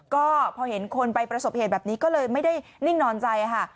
ก็พอเห็นคนไปประสบเหตุแบบนี้ก็เลยไม่ได้นิ่งนอนใจค่ะ